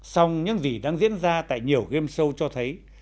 xong những gì đang diễn ra tại nhiều game show cho thấy